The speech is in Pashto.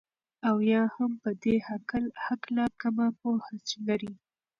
او يا هم په دي هكله كمه پوهه لري